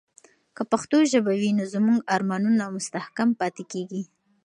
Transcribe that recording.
که پښتو ژبه وي، نو زموږ ارمانونه مستحکم پاتې کیږي.